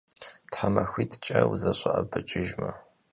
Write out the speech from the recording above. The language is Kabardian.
Themaxuit'ç'e vuze'ebeç'ıjjme.